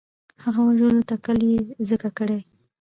هغه د وژلو تکل یې ځکه کړی وو.